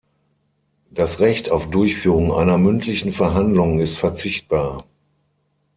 Das Recht auf Durchführung einer mündlichen Verhandlung ist verzichtbar.